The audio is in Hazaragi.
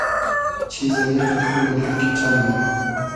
چیز اللی قئد خونی دیل کیݖݖۂ مونی